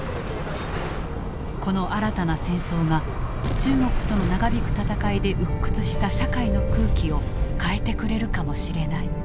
この新たな戦争が中国との長引く戦いで鬱屈した社会の空気を変えてくれるかもしれない。